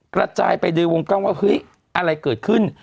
กระจายไปโดยวงกล้องว่าเฮ้ยอะไรเกิดขึ้น